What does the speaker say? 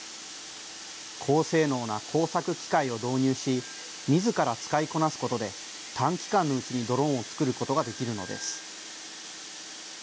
高性能な工作機械を導入し、みずから使いこなすことで、短期間のうちにドローンを作ることができるのです。